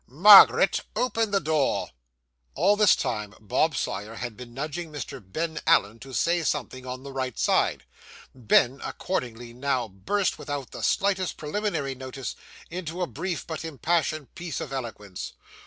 Margaret, open the door.' All this time, Bob Sawyer had been nudging Mr. Ben Allen to say something on the right side; Ben accordingly now burst, without the slightest preliminary notice, into a brief but impassioned piece of eloquence.